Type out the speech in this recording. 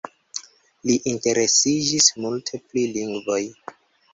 Li interesiĝis multe pri lingvoj.